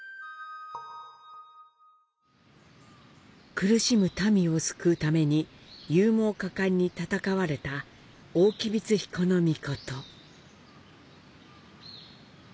苦しむ民を救うために勇猛果敢に戦われた大吉備津彦命。